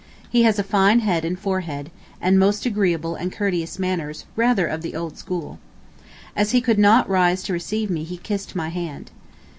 He has a fine head and forehead, and most agreeable and courteous manners, rather of the old school. As he could not rise to receive me he kissed my hand.